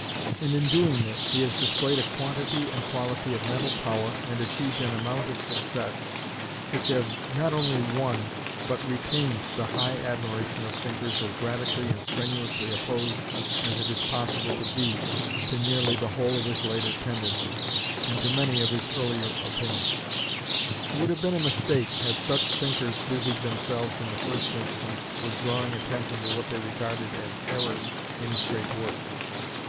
And in doing this he has displayed a quantity and quality of mental power, and achieved an amount of success, which have not only won but retained the high admiration of thinkers as radically and strenuously opposed as it is possible to be, to nearly the whole of his later tendencies, and to many of his earlier opinions. It would have been a mistake had such thinkers busied themselves in the first instance with drawing attention to what they regarded as errors in his great work.